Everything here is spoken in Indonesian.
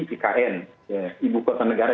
ikn ibu kota negara